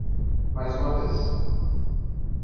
Mais uma vez.